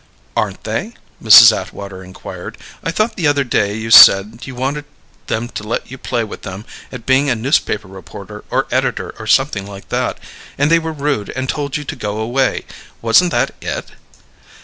"Aren't they?" Mrs. Atwater inquired. "I thought the other day you said you wanted them to let you play with them at being a newspaper reporter or editor or something like that, and they were rude and told you to go away. Wasn't that it?"